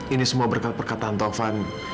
ini semua berkat perkataan taufan